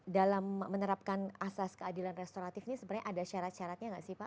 dalam menerapkan asas keadilan restoratif ini sebenarnya ada syarat syaratnya nggak sih pak